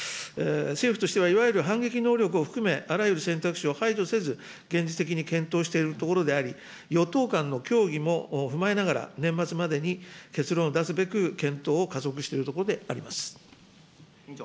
政府としてはいわゆる反撃能力を含め、あらゆる選択肢を排除せず、現実的に検討しているところであり、与党間の協議も踏まえながら、年末までに結論を出すべく、検討を加速しているところであります。